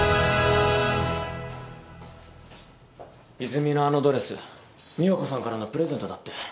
泉のあのドレス美保子さんからのプレゼントだって。